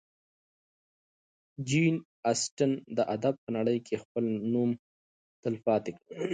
جین اسټن د ادب په نړۍ کې خپل نوم تلپاتې کړ.